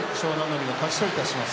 海の勝ちといたします。